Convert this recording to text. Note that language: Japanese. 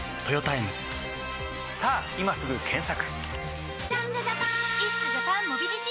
さぁ今すぐ検索！